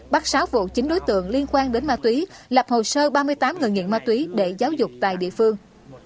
bắt sáu vụ chín đối tượng liên quan đến ma túy lập hồ sơ ba mươi tám người nghiện ma túy để giáo dục tại địa phương